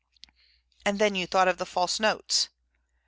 "And then you thought of the false notes?"